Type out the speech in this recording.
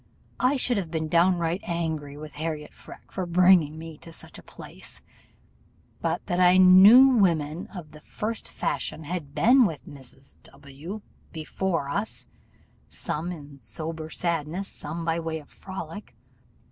I should have been downright angry with Harriot Freke for bringing me to such a place, but that I knew women of the first fashion had been with Mrs. W before us some in sober sadness, some by way of frolic.